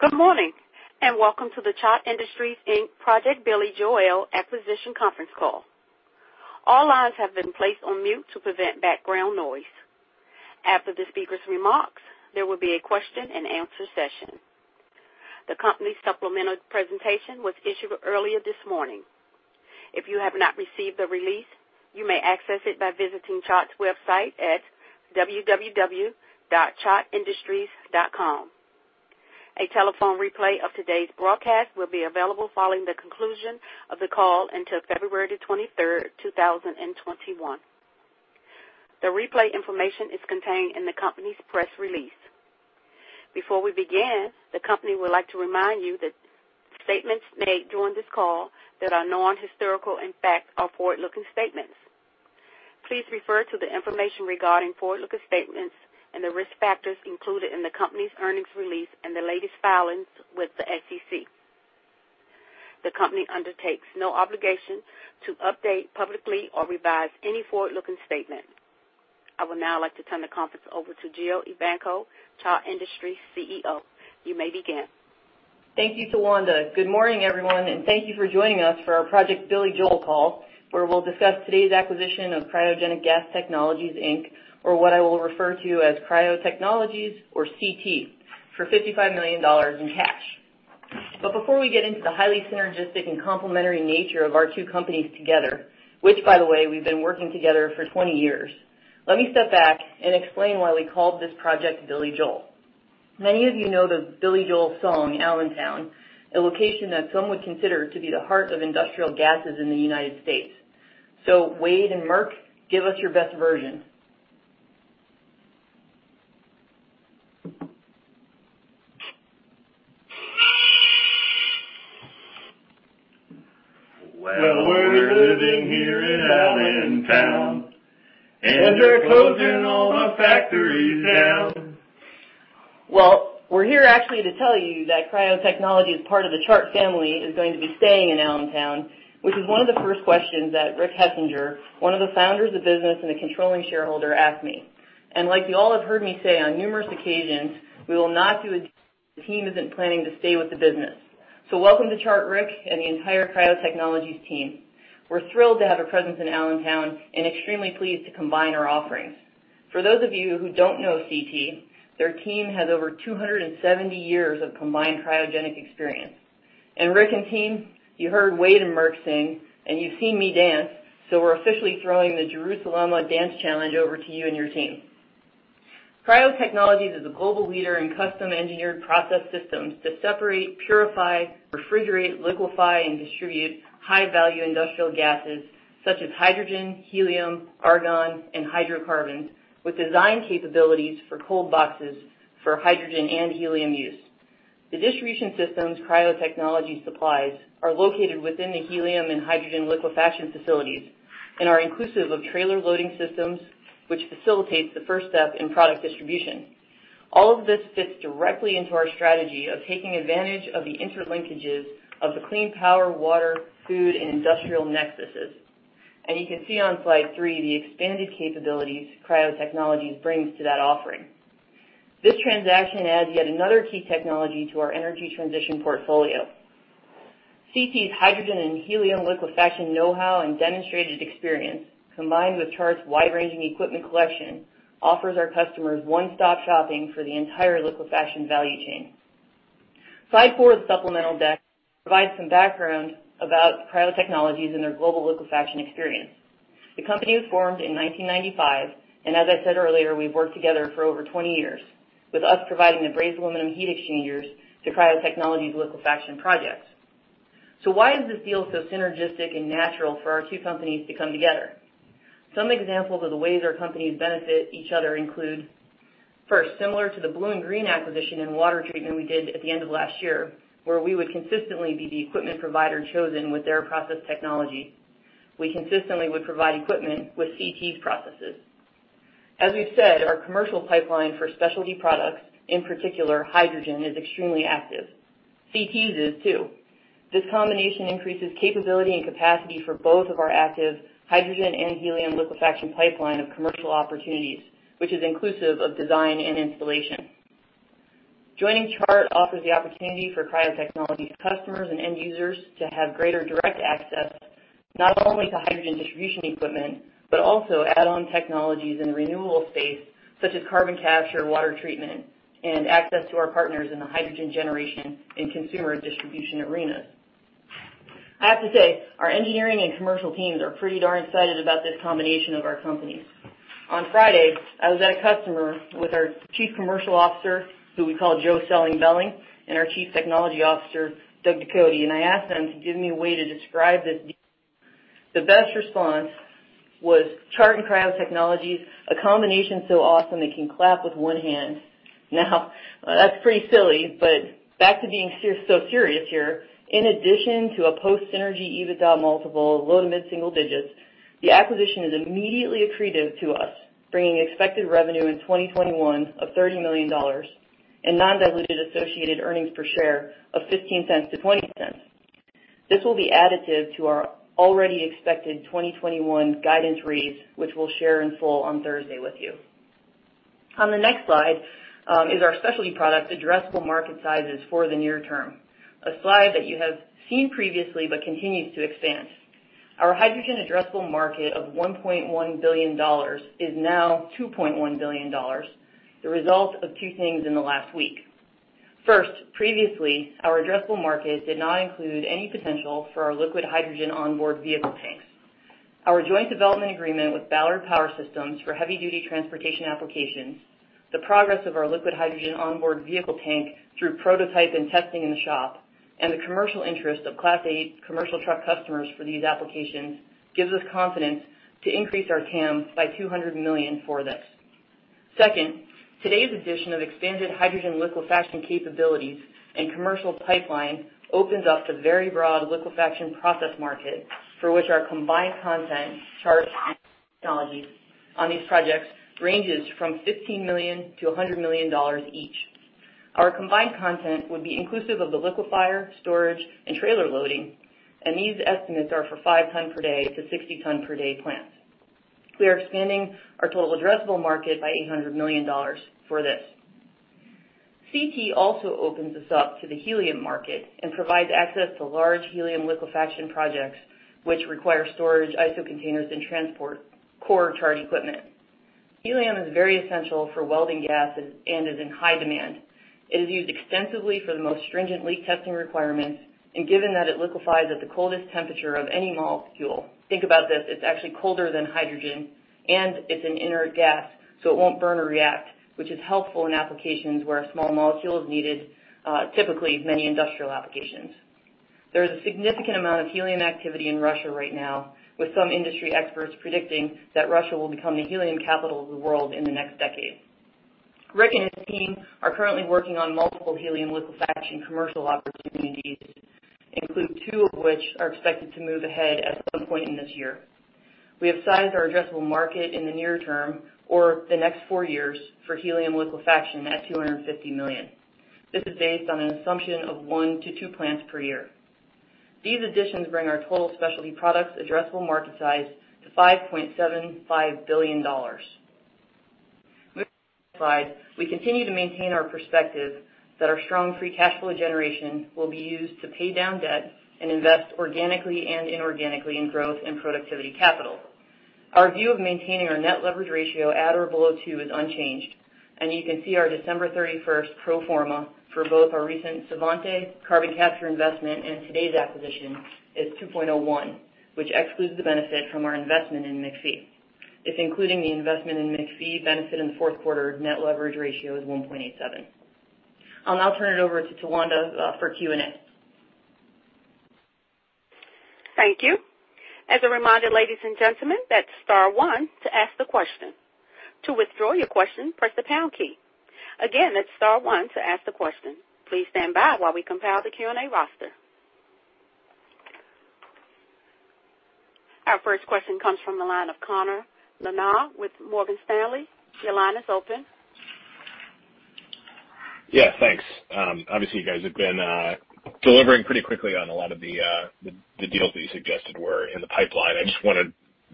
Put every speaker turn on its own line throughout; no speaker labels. Good morning and welcome to the Chart Industries Inc. Project Billy Joel Acquisition Conference Call. All lines have been placed on mute to prevent background noise. After the speaker's remarks, there will be a question-and-answer session. The company's supplemental presentation was issued earlier this morning. If you have not received the release, you may access it by visiting Chart's website at www.chartindustries.com. A telephone replay of today's broadcast will be available following the conclusion of the call until February the 23rd, 2021. The replay information is contained in the company's press release. Before we begin, the company would like to remind you that statements made during this call that are non-historical in fact are forward-looking statements. Please refer to the information regarding forward-looking statements and the risk factors included in the company's earnings release and the latest filings with the SEC. The company undertakes no obligation to update publicly or revise any forward-looking statement. I would now like to turn the conference over to Jill Evanko, Chart Industries CEO. You may begin.
Thank you, Tawanda. Good morning, everyone, and thank you for joining us for our Project Billy Joel call, where we'll discuss today's acquisition of Cryogenic Gas Technologies, Inc., or what I will refer to as Cryo Technologies or CT, for $55 million in cash. But before we get into the highly synergistic and complementary nature of our two companies together, which, by the way, we've been working together for 20 years, let me step back and explain why we called this Project Billy Joel. Many of you know the Billy Joel song, "Allentown," a location that some would consider to be the heart of industrial gases in the United States. So Wade and Eric, give us your best version.
We're living here in Allentown, and they're closing all the factories down.
Well, we're here actually to tell you that Cryo Technologies, part of the Chart family, is going to be staying in Allentown, which is one of the first questions that Rick Hessinger, one of the founders of the business and the controlling shareholder, asked me. And like you all have heard me say on numerous occasions, we will not do a deal if the team isn't planning to stay with the business. So welcome to Chart, Rick, and the entire Cryo Technologies team. We're thrilled to have a presence in Allentown and extremely pleased to combine our offerings. For those of you who don't know CT, their team has over 270 years of combined cryogenic experience. And Rick and team, you heard Wade and Marc sing, and you've seen me dance, so we're officially throwing the Jerusalema Dance Challenge over to you and your team. Cryo Technologies is a global leader in custom-engineered process systems to separate, purify, refrigerate, liquefy, and distribute high-value industrial gases such as hydrogen, helium, argon, and hydrocarbons with design capabilities for cold boxes for hydrogen and helium use. The distribution systems Cryo Technologies supplies are located within the helium and hydrogen liquefaction facilities and are inclusive of trailer loading systems, which facilitates the first step in product distribution. All of this fits directly into our strategy of taking advantage of the interlinkages of the clean power, water, food, and industrial nexuses. You can see on slide three the expanded capabilities Cryo Technologies brings to that offering. This transaction adds yet another key technology to our energy transition portfolio. CT's hydrogen and helium liquefaction know-how and demonstrated experience, combined with Chart's wide-ranging equipment collection, offers our customers one-stop shopping for the entire liquefaction value chain. Slide four of the supplemental deck provides some background about Cryo Technologies and their global liquefaction experience. The company was formed in 1995, and as I said earlier, we've worked together for over 20 years, with us providing the brazed aluminum heat exchangers to Cryo Technologies' liquefaction projects. So why is this deal so synergistic and natural for our two companies to come together? Some examples of the ways our companies benefit each other include: first, similar to the BlueInGreen acquisition in water treatment we did at the end of last year, where we would consistently be the equipment provider chosen with their process technology. We consistently would provide equipment with CT's processes. As we've said, our commercial pipeline for specialty products, in particular hydrogen, is extremely active. CT's is too. This combination increases capability and capacity for both of our active hydrogen and helium liquefaction pipeline of commercial opportunities, which is inclusive of design and installation. Joining Chart offers the opportunity for Cryo Technologies customers and end users to have greater direct access not only to hydrogen distribution equipment, but also add-on technologies in the renewable space, such as carbon capture, water treatment, and access to our partners in the hydrogen generation and consumer distribution arenas. I have to say, our engineering and commercial teams are pretty darn excited about this combination of our companies. On Friday, I was at a customer with our Chief Commercial Officer, who we call Joe Selling Belling, and our Chief Technology Officer, Doug Ducote, and I asked them to give me a way to describe this deal. The best response was, "Chart and Cryo Technologies, a combination so awesome it can clap with one hand." Now, that's pretty silly, but back to being so serious here, in addition to a post-synergy EBITDA multiple low to mid-single digits, the acquisition is immediately accretive to us, bringing expected revenue in 2021 of $30 million and non-dilution associated earnings per share of $0.15-$0.20. This will be additive to our already expected 2021 guidance reads, which we'll share in full on Thursday with you. On the next slide is our specialty product addressable market sizes for the near term, a slide that you have seen previously but continues to expand. Our hydrogen addressable market of $1.1 billion is now $2.1 billion, the result of two things in the last week. First, previously, our addressable market did not include any potential for our liquid hydrogen onboard vehicle tanks. Our joint development agreement with Ballard Power Systems for heavy-duty transportation applications, the progress of our liquid hydrogen onboard vehicle tank through prototype and testing in the shop, and the commercial interest of Class 8 commercial truck customers for these applications gives us confidence to increase our TAM by $200 million for this. Second, today's addition of expanded hydrogen liquefaction capabilities and commercial pipeline opens up the very broad liquefaction process market for which our combined content, Chart and Cryo Technologies on these projects ranges from $15 million-$100 million each. Our combined content would be inclusive of the liquefier, storage, and trailer loading, and these estimates are for 5-ton-per-day to 60-ton-per-day plants. We are expanding our total addressable market by $800 million for this. CT also opens us up to the helium market and provides access to large helium liquefaction projects, which require storage, ISO containers, and transport core Chart equipment. Helium is very essential for welding gas and is in high demand. It is used extensively for the most stringent leak testing requirements, and given that it liquefies at the coldest temperature of any molecule, think about this, it's actually colder than hydrogen, and it's an inert gas, so it won't burn or react, which is helpful in applications where a small molecule is needed, typically many industrial applications. There is a significant amount of helium activity in Russia right now, with some industry experts predicting that Russia will become the helium capital of the world in the next decade. Rick and his team are currently working on multiple helium liquefaction commercial opportunities, two of which are expected to move ahead at some point in this year. We have sized our addressable market in the near term or the next four years for helium liquefaction at $250 million. This is based on an assumption of one to two plants per year. These additions bring our total specialty products addressable market size to $5.75 billion. Moving to the next slide, we continue to maintain our perspective that our strong free cash flow generation will be used to pay down debt and invest organically and inorganically in growth and productivity capital. Our view of maintaining our net leverage ratio at or below two is unchanged, and you can see our December 31st pro forma for both our recent Svante carbon capture investment and today's acquisition is 2.01, which excludes the benefit from our investment in McPhy. If including the investment in McPhy benefit in the fourth quarter, net leverage ratio is 1.87. I'll now turn it over to Tawanda for Q&A.
Thank you. As a reminder, ladies and gentlemen, that's star one to ask the question. To withdraw your question, press the pound key. Again, that's star one to ask the question. Please stand by while we compile the Q&A roster. Our first question comes from the line of Connor Lynagh with Morgan Stanley. Your line is open.
Yes, thanks. Obviously, you guys have been delivering pretty quickly on a lot of the deals that you suggested were in the pipeline. I just wanted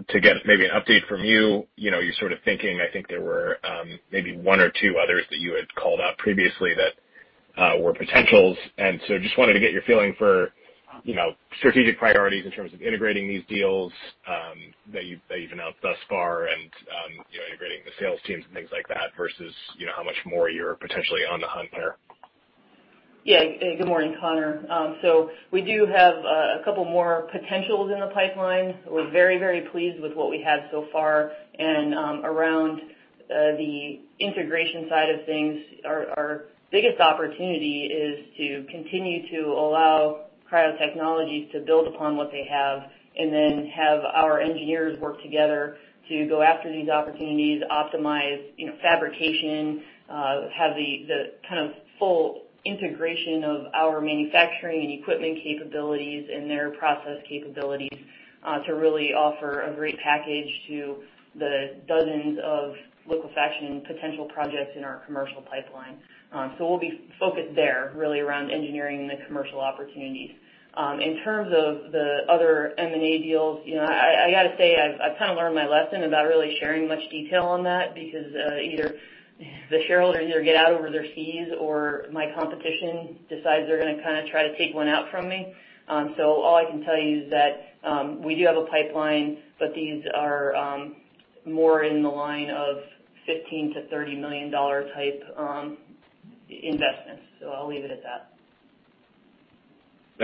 to get maybe an update from you. You're sort of thinking I think there were maybe one or two others that you had called out previously that were potentials, and so just wanted to get your feeling for strategic priorities in terms of integrating these deals that you've announced thus far and integrating the sales teams and things like that versus how much more you're potentially on the hunt here?
Yeah, good morning, Connor. So we do have a couple more potentials in the pipeline. We're very, very pleased with what we have so far, and around the integration side of things, our biggest opportunity is to continue to allow Cryo Technologies to build upon what they have and then have our engineers work together to go after these opportunities, optimize fabrication, have the kind of full integration of our manufacturing and equipment capabilities and their process capabilities to really offer a great package to the dozens of liquefaction potential projects in our commercial pipeline. So we'll be focused there really around engineering the commercial opportunities. In terms of the other M&A deals, I got to say I've kind of learned my lesson about really sharing much detail on that because either the shareholders get out over their skis or my competition decides they're going to kind of try to take one out from me. So all I can tell you is that we do have a pipeline, but these are more in the line of $15 million-$30 million type investments, so I'll leave it at that.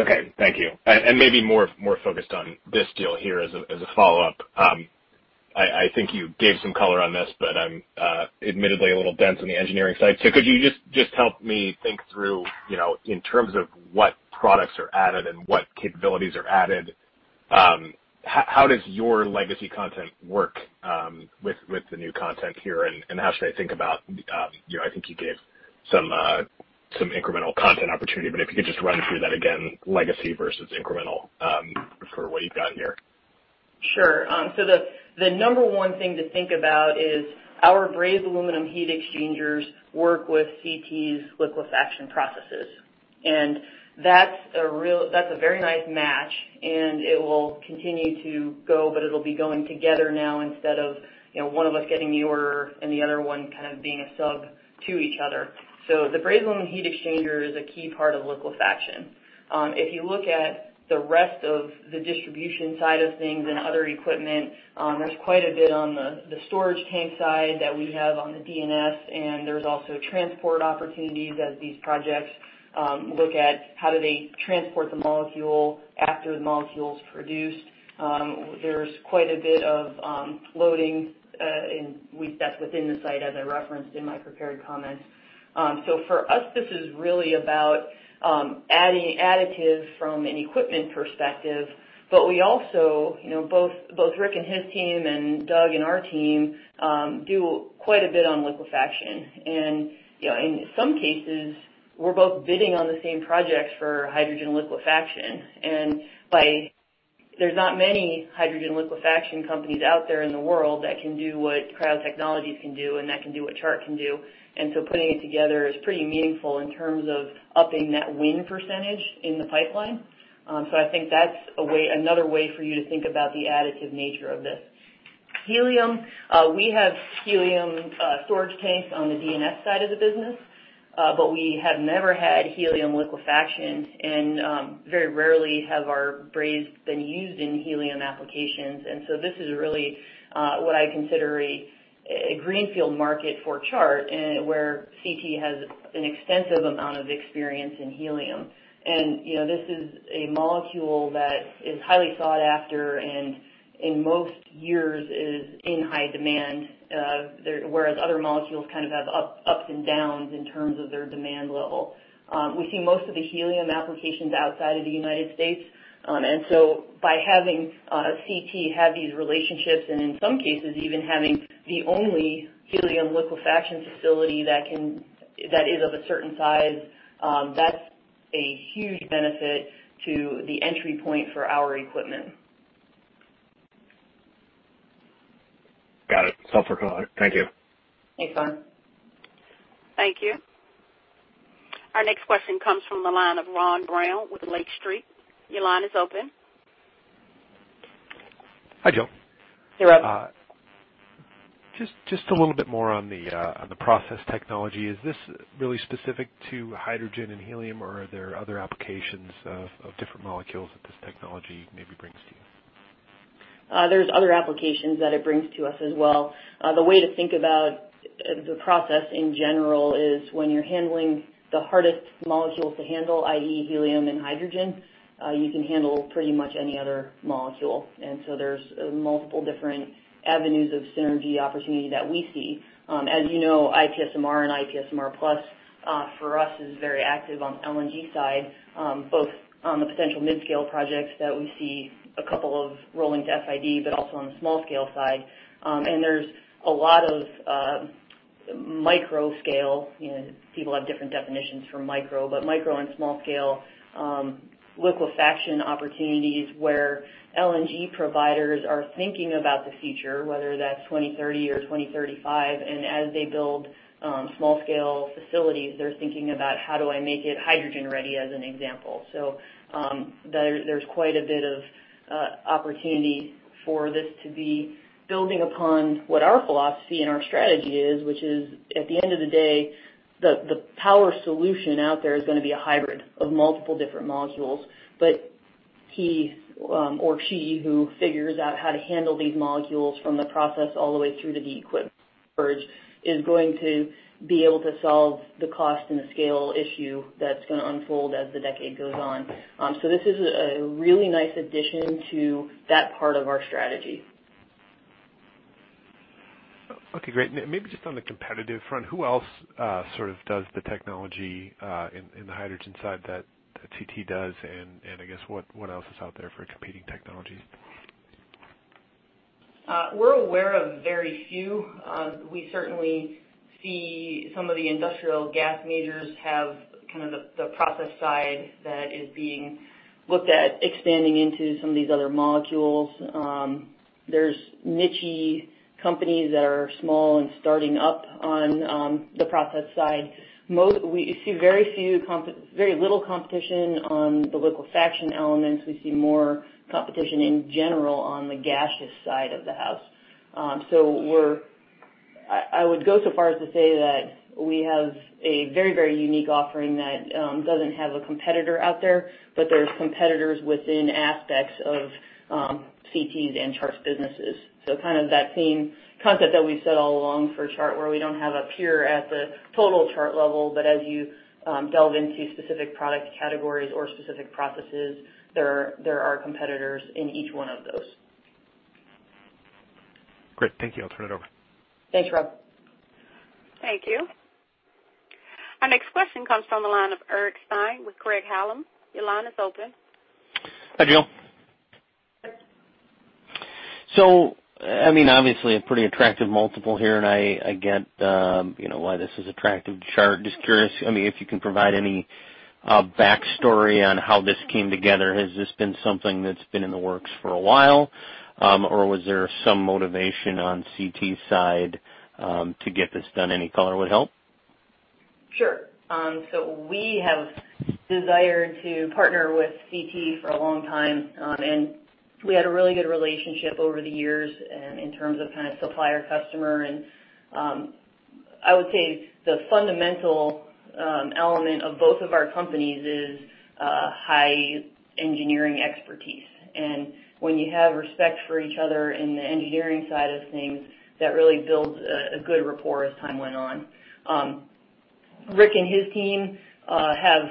Okay, thank you. And maybe more focused on this deal here as a follow-up. I think you gave some color on this, but I'm admittedly a little dense on the engineering side. So could you just help me think through in terms of what products are added and what capabilities are added? How does your legacy content work with the new content here, and how should I think about? I think you gave some incremental content opportunity, but if you could just run through that again, legacy versus incremental for what you've got here?
Sure. So the number one thing to think about is our brazed aluminum heat exchangers work with CT's liquefaction processes, and that's a very nice match, and it will continue to go, but it'll be going together now instead of one of us getting the order and the other one kind of being a sub to each other. So the brazed aluminum heat exchanger is a key part of liquefaction. If you look at the rest of the distribution side of things and other equipment, there's quite a bit on the storage tank side that we have on the D&S, and there's also transport opportunities as these projects look at how do they transport the molecule after the molecule's produced. There's quite a bit of loading that's within the site, as I referenced in my prepared comments. So for us, this is really about adding additive from an equipment perspective, but we also both Rick and his team and Doug and our team do quite a bit on liquefaction, and in some cases, we're both bidding on the same projects for hydrogen liquefaction. And there's not many hydrogen liquefaction companies out there in the world that can do what Cryo Technologies can do and that can do what Chart can do, and so putting it together is pretty meaningful in terms of upping that win percentage in the pipeline. So I think that's another way for you to think about the additive nature of this. Helium, we have helium storage tanks on the DNS side of the business, but we have never had helium liquefaction, and very rarely have our brazed been used in helium applications. And so this is really what I consider a greenfield market for Chart, where CT has an extensive amount of experience in helium. And this is a molecule that is highly sought after and in most years is in high demand, whereas other molecules kind of have ups and downs in terms of their demand level. We see most of the helium applications outside of the United States, and so by having CT have these relationships and in some cases even having the only helium liquefaction facility that is of a certain size, that's a huge benefit to the entry point for our equipment.
Got it. Self-report. Thank you.
Thanks, Connor.
Thank you. Our next question comes from the line of Rob Brown with Lake Street. Your line is open.
Hi, Jill.
Hey, Rob.
Just a little bit more on the process technology. Is this really specific to hydrogen and helium, or are there other applications of different molecules that this technology maybe brings to you?
There's other applications that it brings to us as well. The way to think about the process in general is when you're handling the hardest molecules to handle, i.e., helium and hydrogen, you can handle pretty much any other molecule. And so there's multiple different avenues of synergy opportunity that we see. As you know, IPSMR and IPSMR Plus for us is very active on the LNG side, both on the potential mid-scale projects that we see a couple of rolling to FID, but also on the small-scale side. And there's a lot of micro-scale, people have different definitions for micro, but micro and small-scale liquefaction opportunities where LNG providers are thinking about the future, whether that's 2030 or 2035. And as they build small-scale facilities, they're thinking about, "How do I make it hydrogen-ready?" as an example. So there's quite a bit of opportunity for this to be building upon what our philosophy and our strategy is, which is at the end of the day, the power solution out there is going to be a hybrid of multiple different molecules. But he or she who figures out how to handle these molecules from the process all the way through to the equipment storage is going to be able to solve the cost and the scale issue that's going to unfold as the decade goes on. So this is a really nice addition to that part of our strategy.
Okay, great. Maybe just on the competitive front, who else sort of does the technology in the hydrogen side that CT does, and I guess what else is out there for competing technologies?
We're aware of very few. We certainly see some of the industrial gas majors have kind of the process side that is being looked at expanding into some of these other molecules. There's niche companies that are small and starting up on the process side. We see very few, very little competition on the liquefaction elements. We see more competition in general on the gaseous side of the house. So I would go so far as to say that we have a very, very unique offering that doesn't have a competitor out there, but there are competitors within aspects of CT's and Chart's businesses. So kind of that same concept that we've said all along for Chart, where we don't have a peer at the total Chart level, but as you delve into specific product categories or specific processes, there are competitors in each one of those.
Great. Thank you. I'll turn it over.
Thanks, Rob.
Thank you. Our next question comes from the line of Eric Stine with Craig-Hallum. Your line is open.
Hi, Joe. So I mean, obviously a pretty attractive multiple here, and I get why this is attractive to Chart. Just curious, I mean, if you can provide any backstory on how this came together. Has this been something that's been in the works for a while, or was there some motivation on CT's side to get this done? Any color would help.
Sure. So we have desired to partner with CT for a long time, and we had a really good relationship over the years in terms of kind of supplier-customer. And I would say the fundamental element of both of our companies is high engineering expertise. And when you have respect for each other in the engineering side of things, that really builds a good rapport as time went on. Rick and his team have,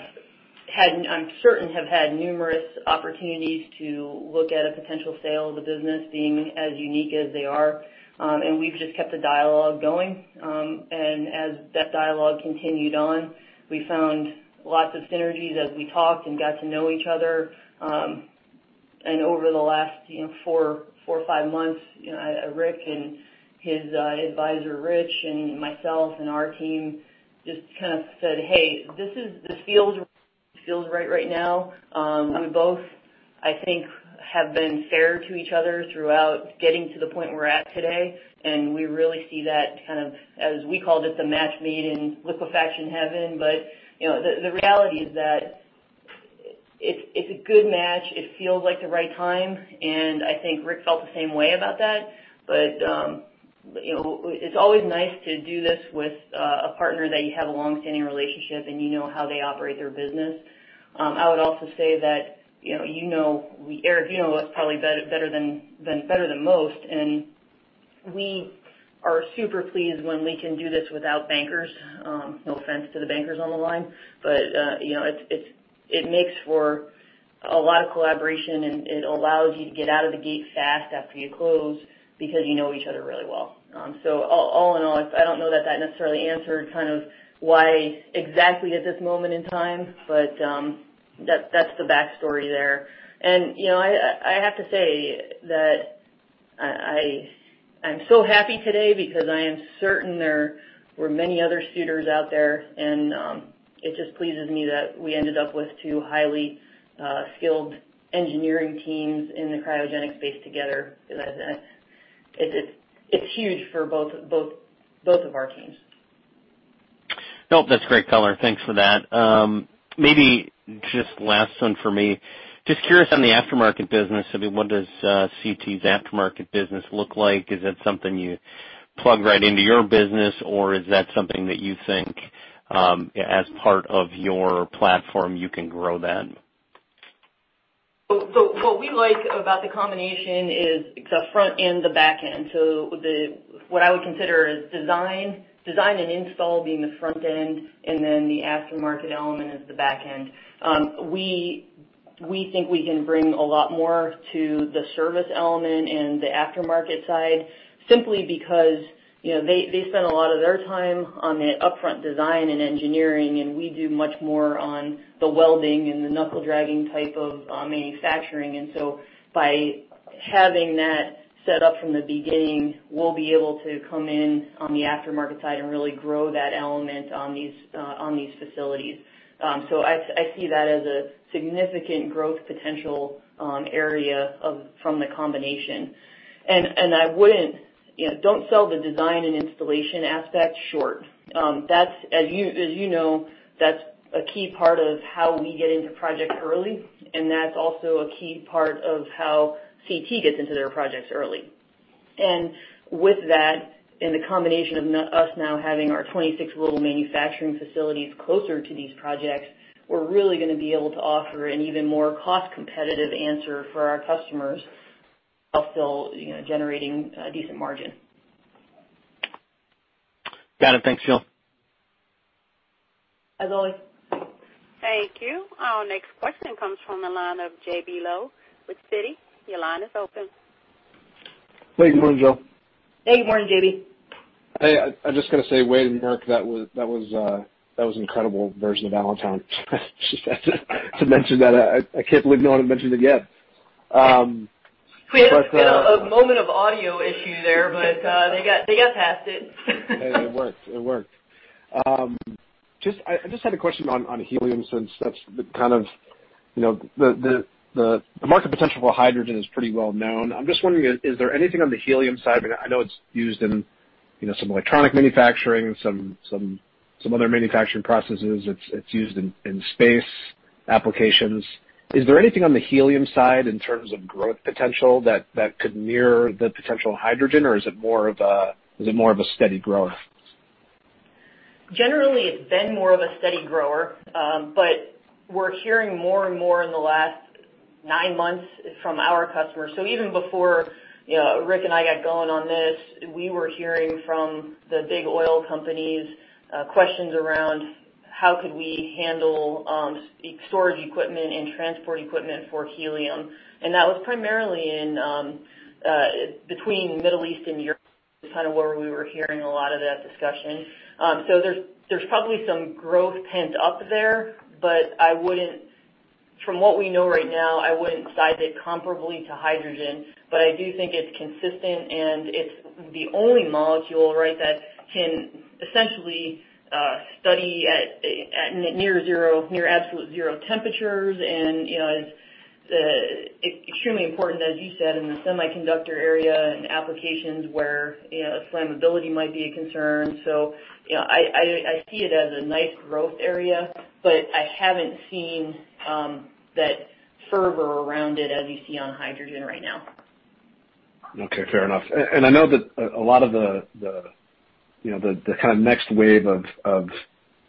I'm certain, have had numerous opportunities to look at a potential sale of the business being as unique as they are, and we've just kept the dialogue going. And as that dialogue continued on, we found lots of synergies as we talked and got to know each other. Over the last four or five months, Rick and his advisor, Rich, and myself and our team just kind of said, "Hey, this feels right right now." We both, I think, have been fair to each other throughout getting to the point we're at today, and we really see that kind of, as we called it, the match made in liquefaction heaven. But the reality is that it's a good match. It feels like the right time, and I think Rick felt the same way about that. But it's always nice to do this with a partner that you have a long-standing relationship and you know how they operate their business. I would also say that you know Eric, you know us probably better than most, and we are super pleased when we can do this without bankers. No offense to the bankers on the line, but it makes for a lot of collaboration, and it allows you to get out of the gate fast after you close because you know each other really well. So all in all, I don't know that that necessarily answered kind of why exactly at this moment in time, but that's the backstory there. And I have to say that I'm so happy today because I am certain there were many other suitors out there, and it just pleases me that we ended up with two highly skilled engineering teams in the cryogenic space together because it's huge for both of our teams.
Nope, that's great color. Thanks for that. Maybe just last one for me. Just curious on the aftermarket business. I mean, what does CT's aftermarket business look like? Is that something you plug right into your business, or is that something that you think as part of your platform you can grow that?
So what we like about the combination is the front and the back end. So what I would consider is design and install being the front end, and then the aftermarket element is the back end. We think we can bring a lot more to the service element and the aftermarket side simply because they spend a lot of their time on the upfront design and engineering, and we do much more on the welding and the knuckle-dragging type of manufacturing. And so by having that set up from the beginning, we'll be able to come in on the aftermarket side and really grow that element on these facilities. So I see that as a significant growth potential area from the combination. And I wouldn't. Don't sell the design and installation aspect short. As you know, that's a key part of how we get into projects early, and that's also a key part of how CT gets into their projects early. And with that, and the combination of us now having our 26 little manufacturing facilities closer to these projects, we're really going to be able to offer an even more cost-competitive answer for our customers while still generating a decent margin.
Got it. Thanks, Joe.
As always.
Thank you. Our next question comes from the line of JB Lowe with Citi. Your line is open.
Hey, good morning, Joe.
Hey, good morning, JB.
Hey, I just got to say, Wade and Eric, that was an incredible version of Allentown. She said to mention that. I can't believe no one had mentioned it yet.
We had a moment of audio issue there, but they got past it.
It worked. It worked. I just had a question on helium since that's kind of the market potential for hydrogen is pretty well known. I'm just wondering, is there anything on the helium side? I mean, I know it's used in some electronic manufacturing, some other manufacturing processes. It's used in space applications. Is there anything on the helium side in terms of growth potential that could mirror the potential hydrogen, or is it more of a steady grower?
Generally, it's been more of a steady grower, but we're hearing more and more in the last nine months from our customers. So even before Rick and I got going on this, we were hearing from the big oil companies questions around how could we handle storage equipment and transport equipment for helium. That was primarily between the Middle East and Europe, kind of where we were hearing a lot of that discussion. There's probably some growth pent-up there, but from what we know right now, I wouldn't size it comparably to hydrogen. I do think it's consistent, and it's the only molecule, right, that can essentially stay at near absolute zero temperatures. It's extremely important, as you said, in the semiconductor area and applications where flammability might be a concern. So I see it as a nice growth area, but I haven't seen that fervor around it as you see on hydrogen right now.
Okay. Fair enough. And I know that a lot of the kind of next wave of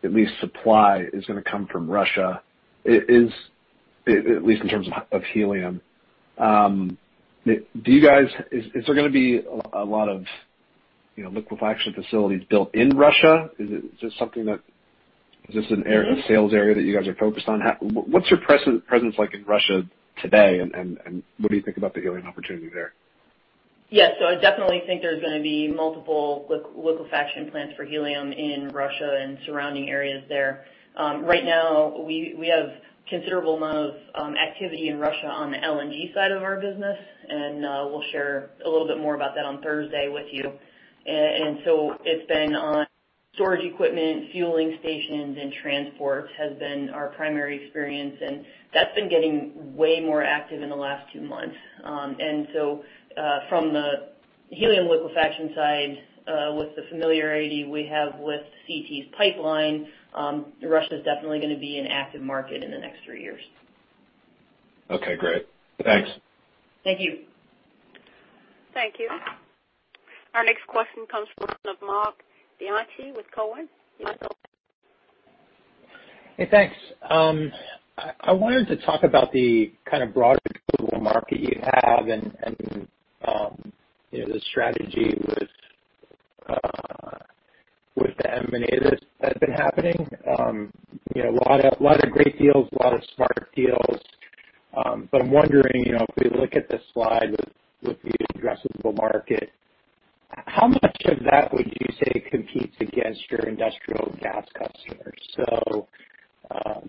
at least supply is going to come from Russia, at least in terms of helium. Is there going to be a lot of liquefaction facilities built in Russia? Is this something that - is this a sales area that you guys are focused on? What's your presence like in Russia today, and what do you think about the helium opportunity there?
Yes. So I definitely think there's going to be multiple liquefaction plants for helium in Russia and surrounding areas there. Right now, we have a considerable amount of activity in Russia on the LNG side of our business, and we'll share a little bit more about that on Thursday with you. And so it's been on storage equipment, fueling stations, and transport has been our primary experience, and that's been getting way more active in the last two months. And so from the helium liquefaction side, with the familiarity we have with CT's pipeline, Russia is definitely going to be an active market in the next three years.
Okay. Great. Thanks.
Thank you.
Thank you. Our next question comes from the line of Marc Bianchi with Cowen.
Hey, thanks. I wanted to talk about the kind of broader global market you have and the strategy with the M&A that's been happening. A lot of great deals, a lot of smart deals. But I'm wondering, if we look at the slide with the addressable market, how much of that would you say competes against your industrial gas customers? So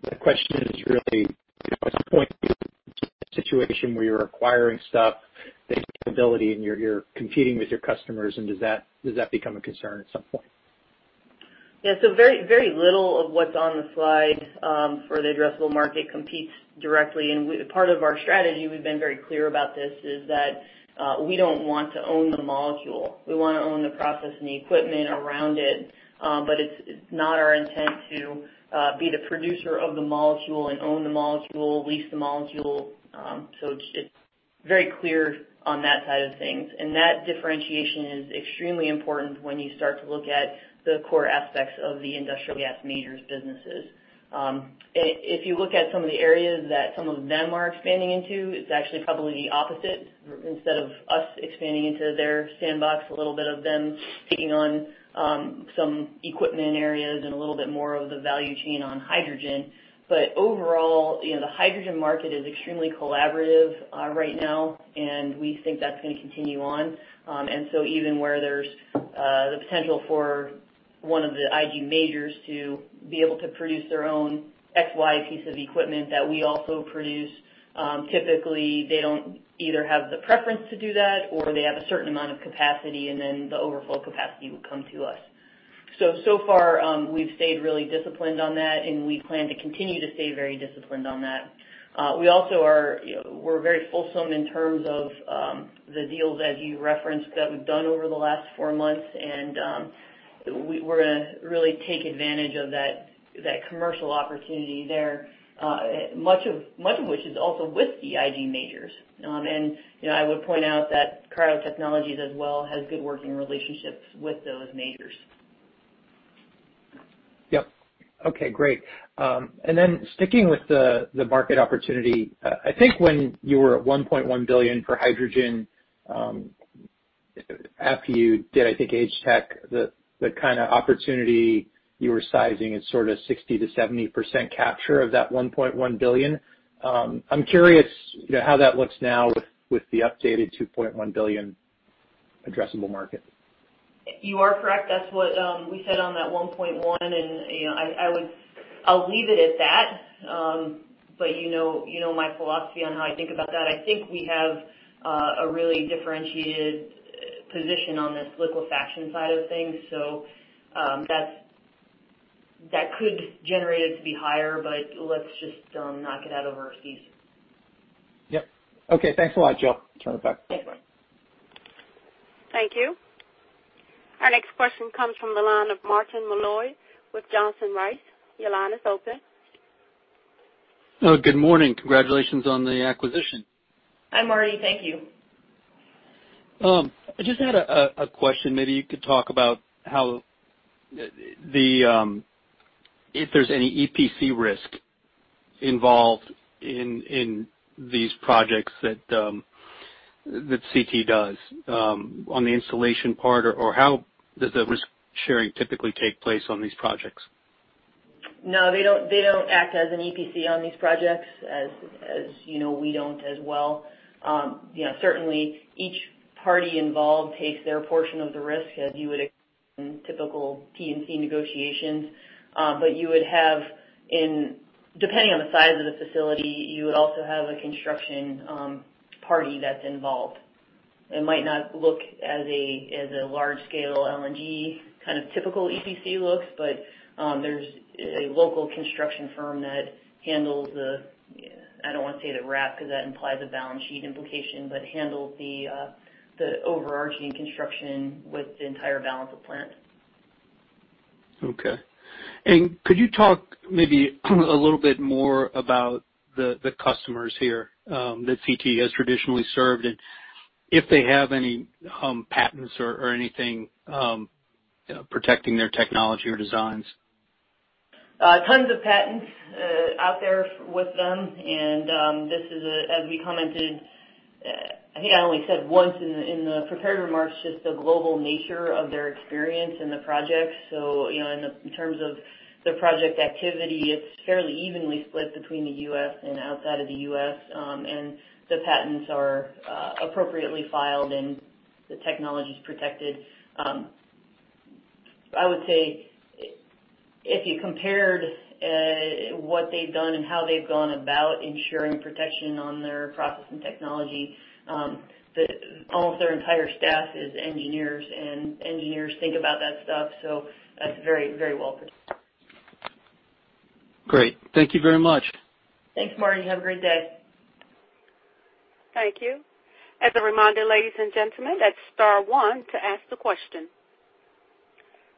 the question is really, at some point, situation where you're acquiring stuff, the capability, and you're competing with your customers, and does that become a concern at some point?
Yeah. So very little of what's on the slide for the addressable market competes directly. And part of our strategy - we've been very clear about this - is that we don't want to own the molecule. We want to own the process and the equipment around it, but it's not our intent to be the producer of the molecule and own the molecule, lease the molecule. So it's very clear on that side of things. And that differentiation is extremely important when you start to look at the core aspects of the industrial gas majors' businesses. If you look at some of the areas that some of them are expanding into, it's actually probably the opposite. Instead of us expanding into their sandbox, a little bit of them taking on some equipment areas and a little bit more of the value chain on hydrogen. Overall, the hydrogen market is extremely collaborative right now, and we think that's going to continue on. And so even where there's the potential for one of the IG majors to be able to produce their own key piece of equipment that we also produce, typically they don't either have the preference to do that or they have a certain amount of capacity, and then the overflow capacity will come to us. So far, we've stayed really disciplined on that, and we plan to continue to stay very disciplined on that. We also are very fulsome in terms of the deals, as you referenced, that we've done over the last four months, and we're going to really take advantage of that commercial opportunity there, much of which is also with the IG majors. I would point out that Cryo Technologies as well has good working relationships with those majors.
Yep. Okay. Great. And then sticking with the market opportunity, I think when you were at $1.1 billion for hydrogen after you did, I think, HTEC, the kind of opportunity you were sizing is sort of 60%-70% capture of that $1.1 billion. I'm curious how that looks now with the updated $2.1 billion addressable market.
You are correct. That's what we said on that 1.1, and I'll leave it at that. But you know my philosophy on how I think about that. I think we have a really differentiated position on this liquefaction side of things. So that could generate it to be higher, but let's just knock it out of our seats.
Yep. Okay. Thanks a lot, Joe. Turn it back.
Thanks, Marc.
Thank you. Our next question comes from the line of Martin Malloy with Johnson Rice. Your line is open.
Good morning. Congratulations on the acquisition.
Hi, Marty. Thank you.
I just had a question. Maybe you could talk about if there's any EPC risk involved in these projects that CT does on the installation part, or how does the risk sharing typically take place on these projects?
No, they don't act as an EPC on these projects, as you know we don't as well. Certainly, each party involved takes their portion of the risk, as you would expect in typical T&C negotiations. But you would have, depending on the size of the facility, you would also have a construction party that's involved. It might not look as a large-scale LNG kind of typical EPC looks, but there's a local construction firm that handles the, I don't want to say the wrap because that implies a balance sheet implication, but handles the overarching construction with the entire balance of plant.
Okay, and could you talk maybe a little bit more about the customers here that CT has traditionally served, and if they have any patents or anything protecting their technology or designs?
Tons of patents out there with them. And this is, as we commented, I think I only said once in the prepared remarks, just the global nature of their experience in the projects. So in terms of their project activity, it's fairly evenly split between the U.S. and outside of the U.S. And the patents are appropriately filed, and the technology's protected. I would say if you compared what they've done and how they've gone about ensuring protection on their process and technology, almost their entire staff is engineers, and engineers think about that stuff. So that's very, very well protected.
Great. Thank you very much.
Thanks, Marty. Have a great day.
Thank you. As a reminder, ladies and gentlemen, that's star one to ask the question.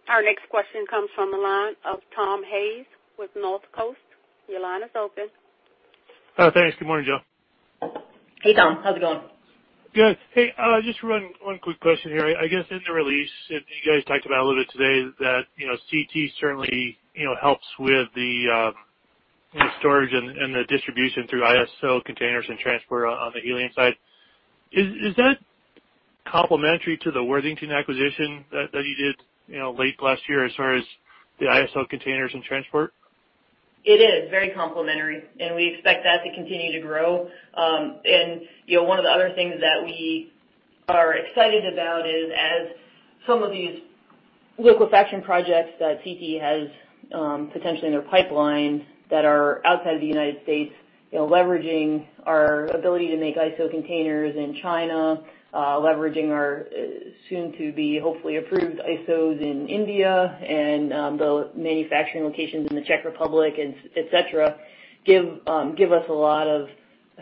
Our next question comes from the line of Tom Hayes with Northcoast. Your line is open.
Hi, thanks. Good morning, Joe.
Hey, Tom. How's it going?
Good. Hey, just one quick question here. I guess in the release, you guys talked about a little bit today that CT certainly helps with the storage and the distribution through ISO containers and transport on the helium side. Is that complementary to the Worthington acquisition that you did late last year as far as the ISO containers and transport?
It is very complementary, and we expect that to continue to grow, and one of the other things that we are excited about is, as some of these liquefaction projects that CT has potentially in their pipeline that are outside of the United States, leveraging our ability to make ISO containers in China, leveraging our soon-to-be hopefully approved ISOs in India and the manufacturing locations in the Czech Republic, etc., give us a lot of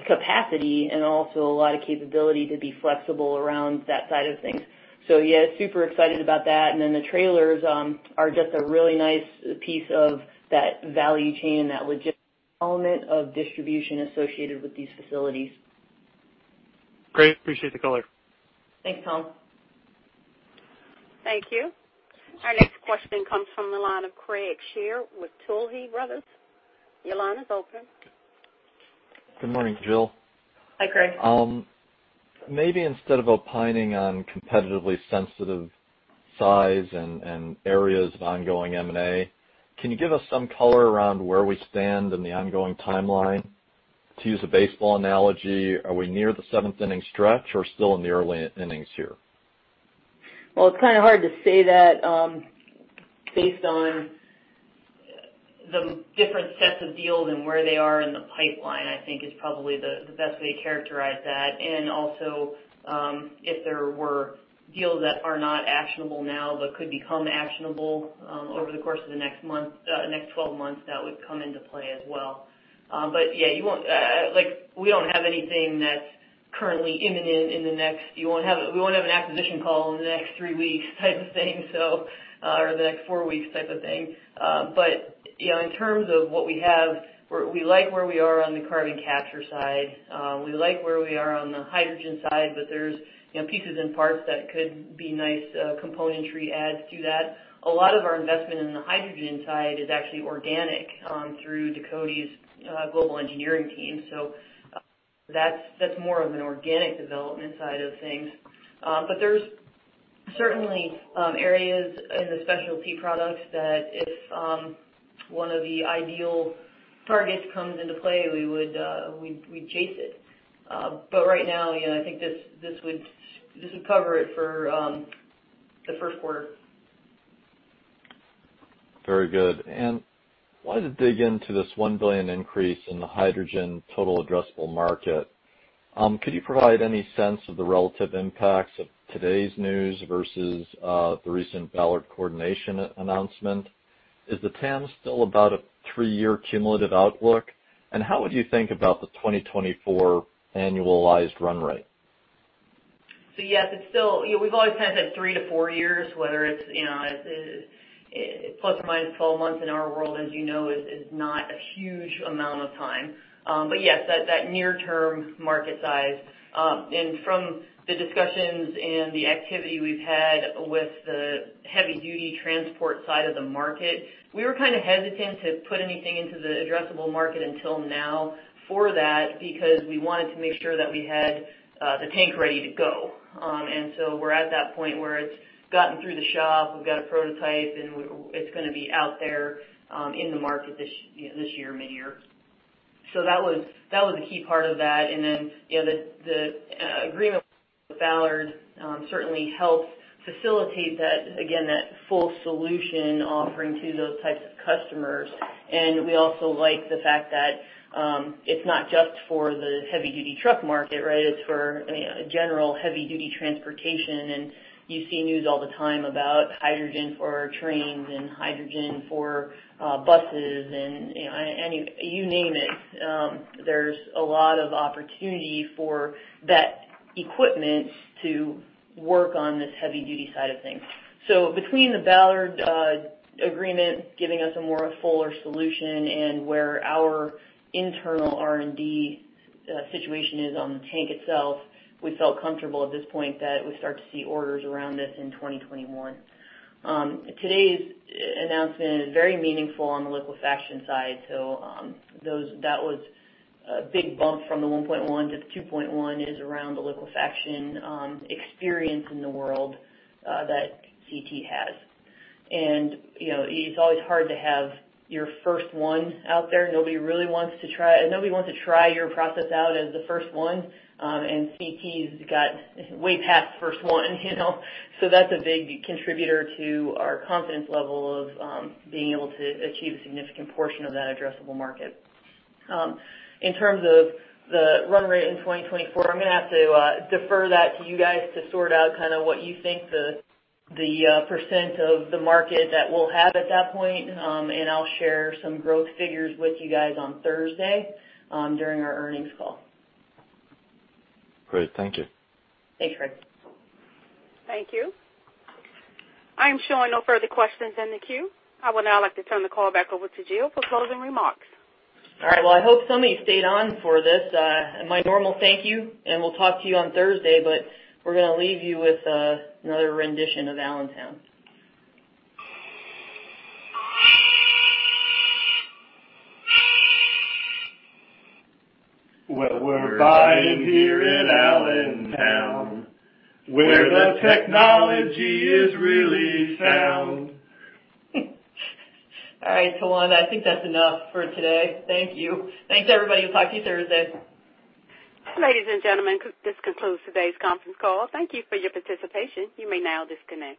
capacity and also a lot of capability to be flexible around that side of things, so yeah, super excited about that, and then the trailers are just a really nice piece of that value chain and that logistics element of distribution associated with these facilities.
Great. Appreciate the color.
Thanks, Tom.
Thank you. Our next question comes from the line of Craig Shere with Tuohy Brothers. Your line is open.
Good morning, Jill.
Hi, Craig.
Maybe instead of opining on competitively sensitive size and areas of ongoing M&A, can you give us some color around where we stand in the ongoing timeline? To use a baseball analogy, are we near the seventh-inning stretch or still in the early innings here?
Well, it's kind of hard to say that based on the different sets of deals and where they are in the pipeline, I think, is probably the best way to characterize that. And also, if there were deals that are not actionable now but could become actionable over the course of the next 12 months, that would come into play as well. But yeah, we don't have anything that's currently imminent in the next, we won't have an acquisition call in the next three weeks type of thing, or the next four weeks type of thing. But in terms of what we have, we like where we are on the carbon capture side. We like where we are on the hydrogen side, but there's pieces and parts that could be nice componentry adds to that. A lot of our investment in the hydrogen side is actually organic through Ducote's global engineering team. So that's more of an organic development side of things. But there's certainly areas in the specialty products that if one of the ideal targets comes into play, we chase it. But right now, I think this would cover it for the first quarter.
Very good. And I wanted to dig into this one billion increase in the hydrogen total addressable market. Could you provide any sense of the relative impacts of today's news versus the recent Ballard coordination announcement? Is the TAM still about a three-year cumulative outlook? And how would you think about the 2024 annualized run rate?
So yes, we've always kind of said three to four years, whether it's plus or minus 12 months in our world, as you know, is not a huge amount of time. But yes, that near-term market size from the discussions and the activity we've had with the heavy-duty transport side of the market, we were kind of hesitant to put anything into the addressable market until now for that because we wanted to make sure that we had the tank ready to go, and so we're at that point where it's gotten through the shop, we've got a prototype, and it's going to be out there in the market this year, mid-year, so that was a key part of that, and then the agreement with Ballard certainly helps facilitate that, again, that full solution offering to those types of customers. And we also like the fact that it's not just for the heavy-duty truck market, right? It's for general heavy-duty transportation. And you see news all the time about hydrogen for trains and hydrogen for buses and you name it. There's a lot of opportunity for that equipment to work on this heavy-duty side of things. So between the Ballard agreement giving us a more fuller solution and where our internal R&D situation is on the tank itself, we felt comfortable at this point that we start to see orders around this in 2021. Today's announcement is very meaningful on the liquefaction side. So that was a big bump from the 1.1 to the 2.1 is around the liquefaction experience in the world that CT has. And it's always hard to have your first one out there. Nobody really wants to try, nobody wants to try your process out as the first one, and CT's got way past first one, so that's a big contributor to our confidence level of being able to achieve a significant portion of that addressable market. In terms of the run rate in 2024, I'm going to have to defer that to you guys to sort out kind of what you think the percent of the market that we'll have at that point, and I'll share some growth figures with you guys on Thursday during our earnings call.
Great. Thank you.
Thanks, Craig.
Thank you. I am showing no further questions in the queue. I would now like to turn the call back over to Jill for closing remarks.
All right. Well, I hope some of you stayed on for this. My normal thank you, and we'll talk to you on Thursday, but we're going to leave you with another rendition of Allentown.
We're vibing here at Allentown where the technology is really sound.
All right. So I think that's enough for today. Thank you. Thanks, everybody. We'll talk to you Thursday.
Ladies and gentlemen, this concludes today's conference call. Thank you for your participation. You may now disconnect.